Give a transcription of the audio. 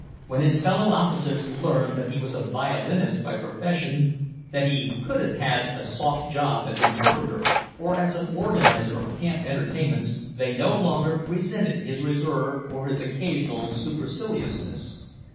When his fellow officers learned that he was a violinist by profession, that he could have had a soft job as interpreter or as an organizer of camp entertainments, they no longer resented his reserve or his occasional superciliousness.